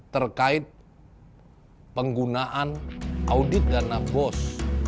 terkait penggunaan audit dana bos